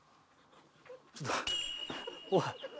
ちょっとおい！